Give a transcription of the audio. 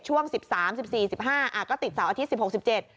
ช่วง๑๓๑๔๑๕ก็ติดเสาร์อาทิตย์๑๖๑๗